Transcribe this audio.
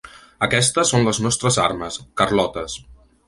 Aquestes són les nostres armes: carlotes!